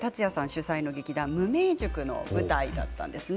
主宰の劇団無名塾の舞台だったんですね。